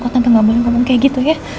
kok tante gak boleh ngomong kayak gitu ya